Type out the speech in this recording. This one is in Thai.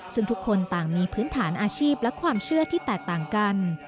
ซึ่งทุกคนต่างมีพื้นฐานอาชีพและความเชื่อที่แตกต่างกัน